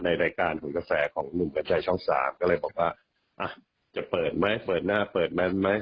ในรายการหุ่นกระแสของหนุ่มกัญชัยช่องสามก็เลยบอกว่าอ่ะจะเปิดไหมเปิดหน้าเปิดแมนไหม